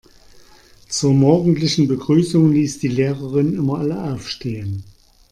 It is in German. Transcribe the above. Zur morgendlichen Begrüßung ließ die Lehrerin immer alle aufstehen.